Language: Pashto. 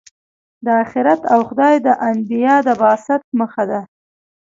دا آخرت او خدای د انبیا د بعثت موخه ده.